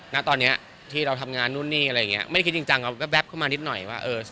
ไม่เป็นคิดจริงก็แบทเข้ามานิดหน่อยว่า